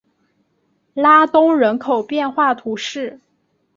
拉东人口变化图示